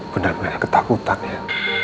benar benar ketakutan ya